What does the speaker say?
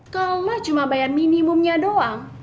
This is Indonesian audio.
kalau mah cuma bayar minimumnya doang